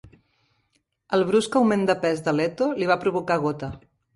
El brusc augment de pes de Leto li va provocar gota.